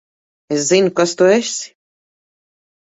Es zinu, kas tu esi.